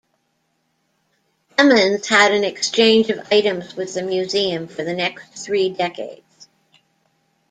Emmons had an exchange of items with the Museum for the next three decades.